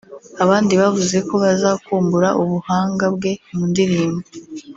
Abandi bavuze ko bazakumbura ubuhanga bwe mu ndirimbo